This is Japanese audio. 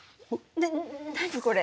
な何これ？